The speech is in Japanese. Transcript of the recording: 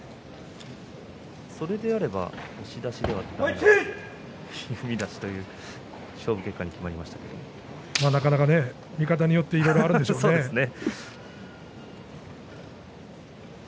それであれば押し出しではなく踏み出しという勝負結果なかなか見方によっていろいろあるでしょうね。